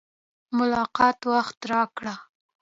ملاقات وخت راکړ.